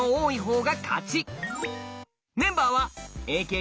メンバーはおっ。